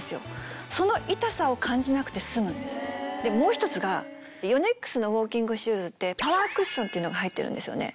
もう一つがヨネックスのウォーキングシューズってパワークッションっていうのが入ってるんですよね。